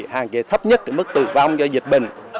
hạn chế thấp nhất mức tử vong do dịch bệnh